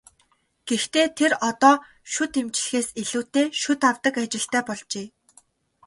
Гэхдээ тэр одоо шүд эмчлэхээс илүүтэй шүд авдаг ажилтай болжээ.